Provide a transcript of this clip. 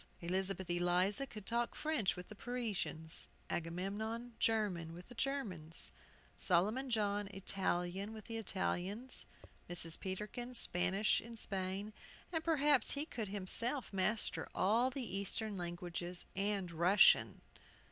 Elizabeth Eliza could talk French with the Parisians; Agamemnon, German with the Germans; Solomon John, Italian with the Italians; Mrs. Peterkin, Spanish in Spain; and perhaps he could himself master all the Eastern Languages and Russian.